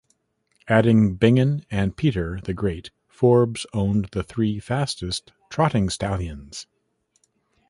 Adding Bingen and Peter the Great, Forbes owned the three fastest trotting stallions.